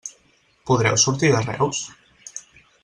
Podreu sortir de Reus?